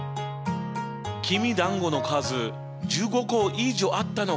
きびだんごの数１５個以上あったのか。